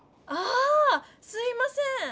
あすいません。